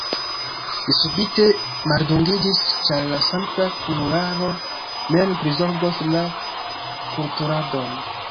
Li subite maldungiĝis, ĉar la sankta kunularo mem prizorgos la kulturadon.